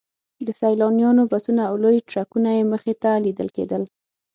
د سیلانیانو بسونه او لوی ټرکونه یې مخې ته لیدل کېدل.